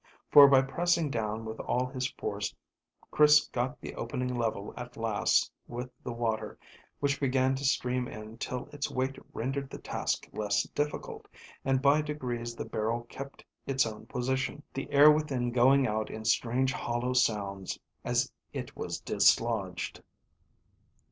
For by pressing down with all his force Chris got the opening level at last with the water, which began to stream in till its weight rendered the task less difficult, and by degrees the barrel kept its own position, the air within going out in strange hollow sounds as it was dislodged.